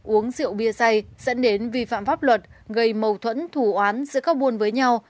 uống rượu bia say dẫn đến vi phạm pháp luật gây mâu thuẫn thủ oán giữa các buôn với nhau